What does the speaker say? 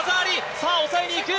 さあ、抑えにいく。